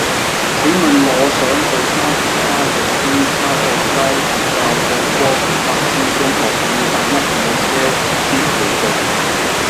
請問我想去沙田沙角邨沙角街佛教覺光法師中學要搭乜嘢車先去到